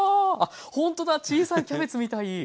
ああっほんとだ小さいキャベツみたい。